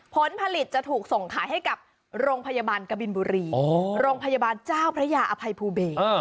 ผลผลิตจะถูกส่งขายให้กับโรงพยาบาลกบินบุรีโรงพยาบาลเจ้าพระยาอภัยภูเบศ